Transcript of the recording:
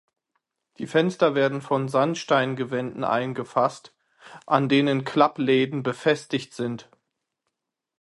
Die Fenster werden von Sandsteingewänden eingefasst, an denen Klappläden befestigt sind.